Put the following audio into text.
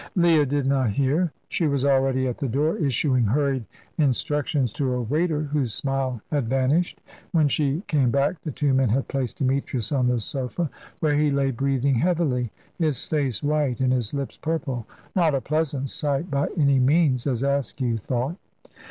Leah did not hear. She was already at the door issuing hurried instructions to a waiter, whose smile had vanished. When she came back the two men had placed Demetrius on the sofa, where he lay breathing heavily, his face white and his lips purple; not a pleasant sight by any means, as Askew thought.